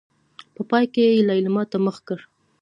په پای کې يې ليلما ته مخ کړ.